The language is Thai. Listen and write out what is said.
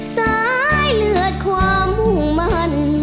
สายเลือดความมุ่งมั่น